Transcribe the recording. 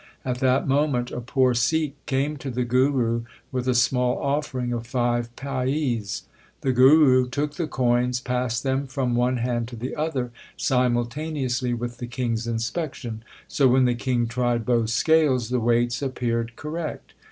At that moment a poor Sikh came to the Guru with a small offering of five paise. The Guru took the coins, passed them from F 2 68 THE SIKH RELIGION one hand to the other simultaneously with the king s inspection, so when the king tried both scales the weights appeared correct.